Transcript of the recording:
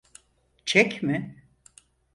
Çek mi?